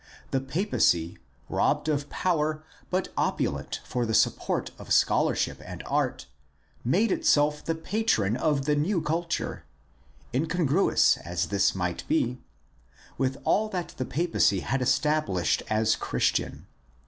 The papacy, robbed of power but opulent for the support of scholarship and art, made itself the patron of the new culture, incongruous as this might be, with all that the papacy had established as Christian.